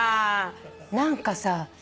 何かさ